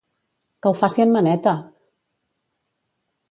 Que ho faci en Maneta!